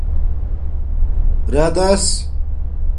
رادس